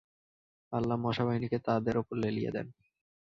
আল্লাহ মশা বাহিনীকে তাদের উপর লেলিয়ে দেন।